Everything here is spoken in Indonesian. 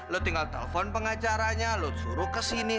lo tinggal telepon pengacaranya lo suruh kesini